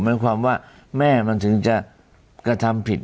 หมายความว่าแม่มันถึงจะกระทำผิด